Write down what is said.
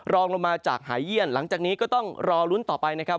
รองลงมาจากหายเยี่ยนหลังจากนี้ก็ต้องรอลุ้นต่อไปนะครับ